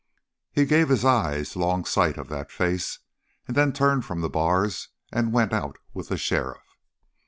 He gave his eyes long sight of that face, and then turned from the bars and went out with the sheriff.